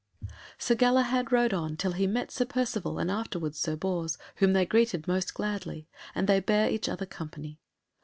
Sir Galahad rode on till he met Sir Percivale and afterwards Sir Bors, whom they greeted most gladly, and they bare each other company.